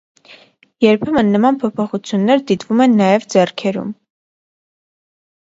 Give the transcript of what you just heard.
Երբեմն նման փոփոխություններ դիտվում են նաև ձեռքերում։